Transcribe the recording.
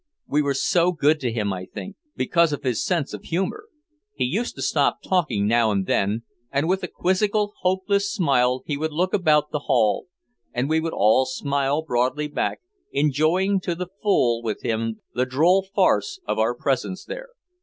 We were so good to him, I think, because of his sense of humor. He used to stop talking now and then and with a quizzical hopeless smile he would look about the hall. And we would all smile broadly back, enjoying to the full with him the droll farce of our presence there.